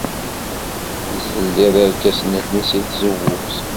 Tzellid irkasen-nni seg tzewwut.